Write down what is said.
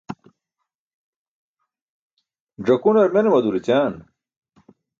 Ẓakunar mene madur ećaan.